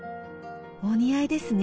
お似合いですね。